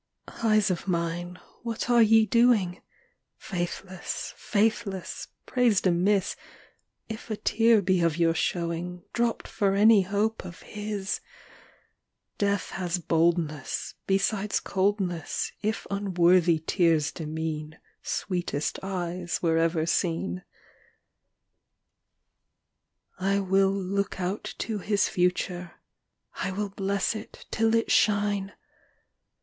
XVIII. Eyes of mine, what are ye doing? Faithless, faithless, praised amiss If a tear be of your showing, Dropt for any hope of HIS! Death has boldness Besides coldness, If unworthy tears demean "Sweetest eyes were ever seen." XIX. I will look out to his future; I will bless it till it shine.